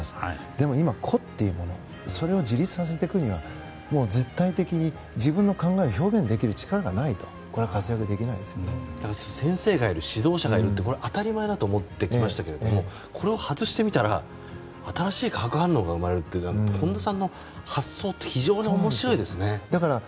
でも今、個っていうのもそれを自立させるためには絶対的に自分の考えを表現する力がないと先生がいる指導者がいるって当たり前だと思っていたんですけどこれを外してみたら新しい化学反応が生まれるって本田さんの発想って非常に面白いですね。